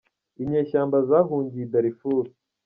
Inyeshyamba zahungiye i Darifuru